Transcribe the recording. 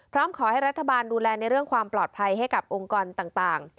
พร้อมขอให้รัฐบาลดูแลในเรื่องความปลอดภัยให้กับองค์กรต่าง